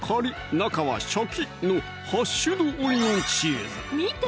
中はシャキッ！の「ハッシュドオニオンチーズ」見て！